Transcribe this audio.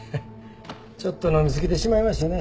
ちょっと飲みすぎてしまいましてね